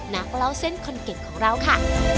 นักเล่าเส้นคนเก่งของเราค่ะ